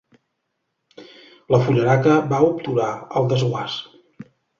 La fullaraca va obturar el desguàs.